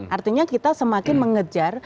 artinya kita semakin mengejar